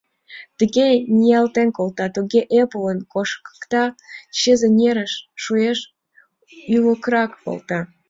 Тыге ниялтен колта, туге эплын коштыкта, чызе нерыш шуэш, ӱлыкрак волта...